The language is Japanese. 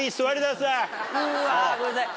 うわごめんなさい。